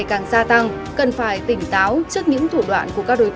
cần phải tỉnh táo trước những thủ đoạn